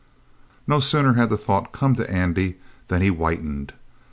No sooner had the thought come to Andy than he whitened.